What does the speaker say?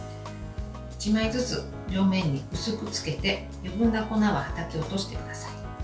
１枚ずつ両面に薄くつけて余分な粉ははたき落としてください。